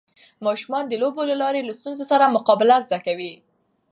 ماشومان د لوبو له لارې له ستونزو سره مقابله زده کوي.